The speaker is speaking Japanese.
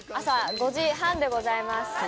朝５時半でございます。